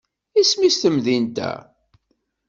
Isem-is temdint-a?